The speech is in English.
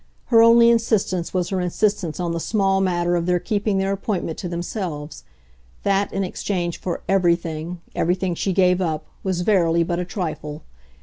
Her only insistence was her insistence on the small matter of their keeping their appointment to themselves. That, in exchange for "everything," everything she gave up, was verily but a trifle.